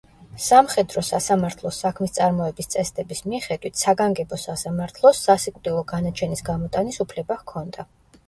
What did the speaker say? სამხედრო სასამართლოს საქმისწარმოების წესდების მიხედვით, საგანგებო სასამართლოს სასიკვდილო განაჩენის გამოტანის უფლება ჰქონდა.